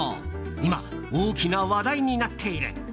今、大きな話題になっている。